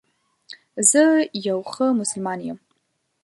زه یو ښه مسلمان یم